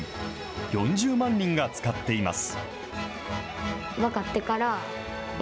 ４０万人が使っています。